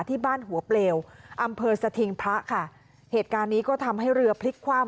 ที่บ้านหัวเปลวอำเภอสถิงพระค่ะเหตุการณ์นี้ก็ทำให้เรือพลิกคว่ำ